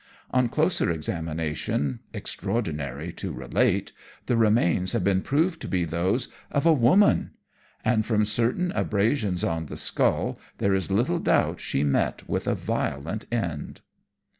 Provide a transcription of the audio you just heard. On closer examination, extraordinary to relate, the remains have been proved to be those of a WOMAN; and from certain abrasions on the skull, there is little doubt she met with a violent end."